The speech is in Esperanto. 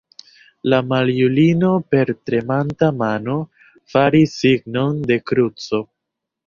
La maljunulino per tremanta mano faris signon de kruco.